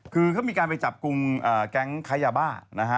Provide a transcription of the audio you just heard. คือเขามีการไปจับกลุ่มแก๊งค้ายาบ้านะฮะ